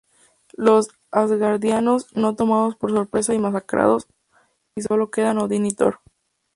Los Asgardianos son tomados por sorpresa y masacrados, y solo quedan Odin y Thor.